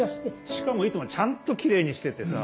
しかもいつもちゃんとキレイにしててさ。